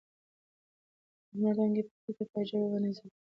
د لمر وړانګې په کوټه کې په عجیبه بڼه ځلېدې.